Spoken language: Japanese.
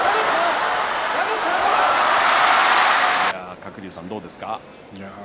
鶴竜さん、どうですか？